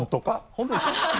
本当です。